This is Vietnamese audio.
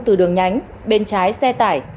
từ đường nhánh bên trái xe tải